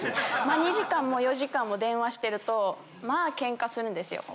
２時間も４時間も電話してるとまあケンカするんですよ。